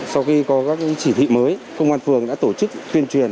sau khi có các chỉ thị mới công an phường đã tổ chức tuyên truyền